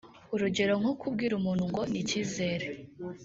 Urugero nko kubwira umuntu ngo ni Kizere